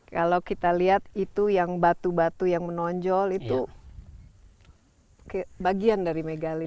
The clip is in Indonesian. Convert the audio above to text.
kalau kita lihat itu yang batu batu yang menonjol itu bagian dari megali